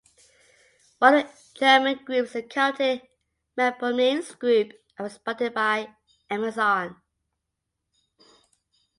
One of the German groups encountered "Melpomene"s group and was spotted by "Amazon".